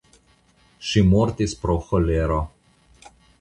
Ŝi mortis pro ĥolero.